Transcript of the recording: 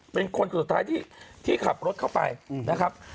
เป็นคนสุดท้ายที่ขับรถเข้าไปนะครับ